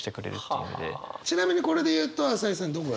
ちなみにこれで言うと朝井さんどこが好きなの？